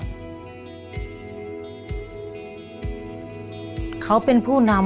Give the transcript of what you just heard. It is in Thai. หนูอยากให้พ่อกับแม่หายเหนื่อยครับ